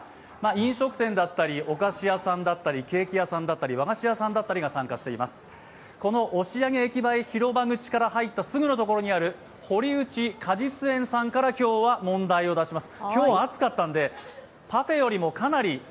飲食店だったりお菓子屋さんだったりケーキ屋さんだったり和菓子屋さんだったりが参加しています、この押上駅前広場口から入ったすぐのところにある堀内果実園さんから、今日は問題を出します。